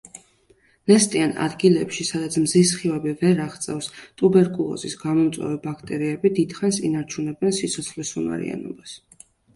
ნესტიან ადგილებში, სადაც მზის სხივები ვერ აღწევს, ტუბერკულოზის გამომწვევი ბაქტერიები დიდხანს ინარჩუნებენ სიცოცხლისუნარიანობას.